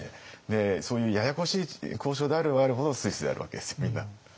そういうややこしい交渉であればあるほどスイスでやるわけですよみんな。